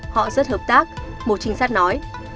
họ rất hợp tác một trinh sát nói